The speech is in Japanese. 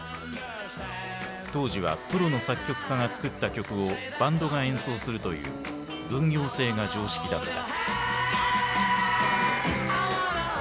当時はプロの作曲家が作った曲をバンドが演奏するという分業制が常識だった。